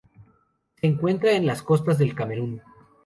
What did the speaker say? Se encuentra en las costas del Camerún.